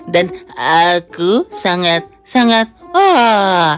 dan aku sangat ingin melihatmu